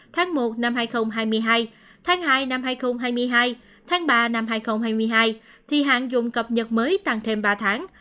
tháng một năm hai nghìn hai mươi hai tháng hai năm hai nghìn hai mươi hai tháng ba năm hai nghìn hai mươi hai thì hàng dùng cập nhật mới tăng thêm ba tháng